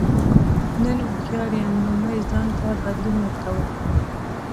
نن هوښیار یم لومړی ځان ته بدلون ورکوم.